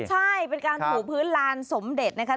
ใช่เป็นการถูพื้นลานสมเด็จนะคะ